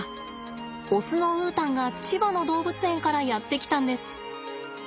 オスのウータンが千葉の動物園からやって来たんです。